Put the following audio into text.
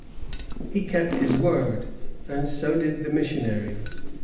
He kept his word, and so did the missionaries.